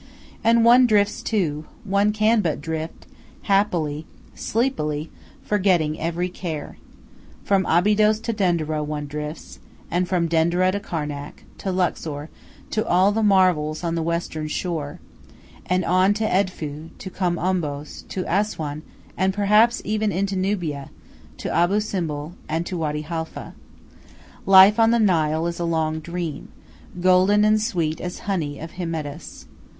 And one drifts, too; one can but drift, happily, sleepily, forgetting every care. From Abydos to Denderah one drifts, and from Denderah to Karnak, to Luxor, to all the marvels on the western shore; and on to Edfu, to Kom Ombos, to Assuan, and perhaps even into Nubia, to Abu Simbel, and to Wadi Halfa. Life on the Nile is a long dream, golden and sweet as honey of Hymettus.